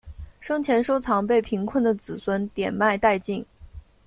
生前收藏被贫困的子孙典卖殆尽。